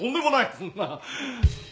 そんな。